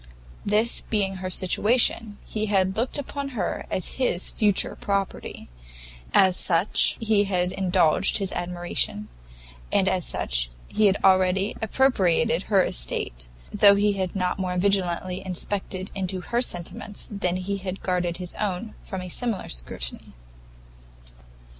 This being her situation, he had long looked upon her as his future property; as such he had indulged his admiration, and as such he had already appropriated her estate, though he had not more vigilantly inspected into her sentiments, than he had guarded his own from a similar scrutiny.